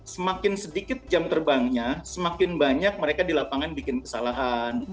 semakin sedikit jam terbangnya semakin banyak mereka di lapangan bikin kesalahan